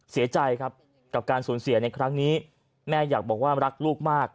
เสียใจครับกับการสูญเสียในครั้งนี้แม่อยากบอกว่ารักลูกมาก